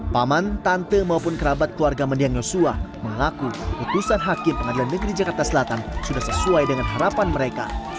paman tante maupun kerabat keluarga mendiang yosua mengaku keputusan hakim pengadilan negeri jakarta selatan sudah sesuai dengan harapan mereka